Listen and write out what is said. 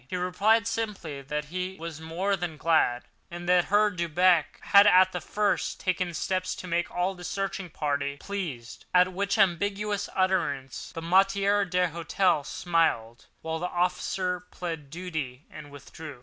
He replied simply that he was more than glad, and that Herr Delbrück had at the first taken steps to make all the searching party pleased; at which ambiguous utterance the maître d'hôtel smiled, while the officer pleaded duty and withdrew.